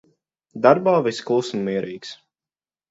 Darbā viss kluss un mierīgs.